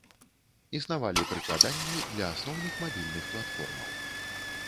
Існавалі прыкладанні для асноўных мабільных платформаў.